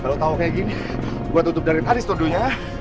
kalau tau kayak gini gua tutup dari tadi studio nya ya